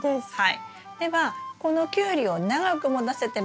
はい。